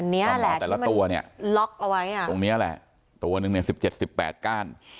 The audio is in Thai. เนี้ยแหละแต่ละตัวเนี่ยล็อกเอาไว้อ่ะตรงเนี้ยแหละตัวหนึ่งเนี่ยสิบเจ็ดสิบแปดก้าน